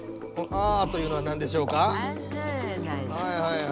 「ああ」というのはなんでしょうか？